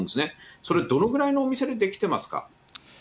それ、どのぐらいのお店でできてますか？